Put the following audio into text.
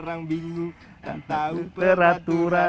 orang bingung dan tahu peraturan